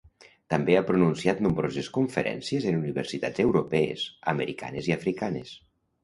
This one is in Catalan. També ha pronunciat nombroses conferències en universitats europees, americanes i africanes.